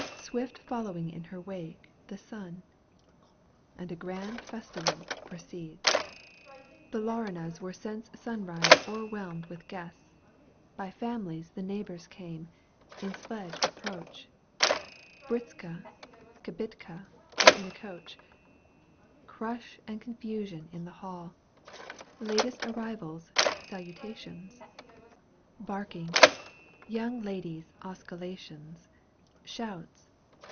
Swift following in her wake, the sun," ^'^ And a grand festival proceeds. Digitized by VjOOQ 1С 142 EUGENE ON^GUINE. canto v. The liirinas were since sunrise Overwhelmed with guests ; by families The neighbours come, in sledge approach, '? Britzka, kibitka, or in coach. Crush and confusion in the hall, Latest arrivals' salutations, Barking, young ladies* osculations. Shouts